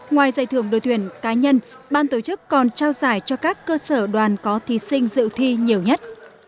ngoài giải thưởng đội tuyển cá nhân ban tổ chức còn trao giải cho các cơ sở đoàn có thí sinh dự thi nhiều nhất